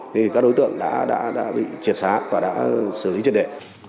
thì các đối tượng đã bị triệt xá và đã xử lý trên đệ